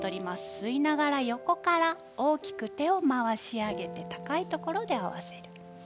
吸いながら横から手を回し上げて高いところで合わせます。